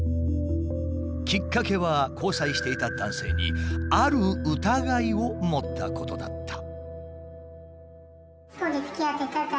きっかけは交際していた男性にある疑いを持ったことだった。